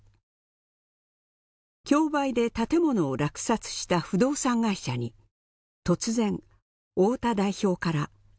競売で建物を落札した不動産会社に突然太田代表から鍵が届きました。